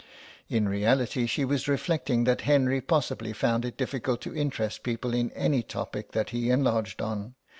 In reality she was reflecting that Henry possibly found it difficult to interest people in any topic that he enlarged on.